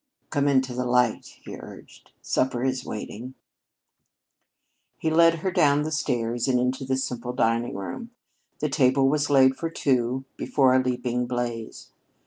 "Come into the light," he urged. "Supper is waiting." He led her down the stairs and into the simple dining room. The table was laid for two before a leaping blaze.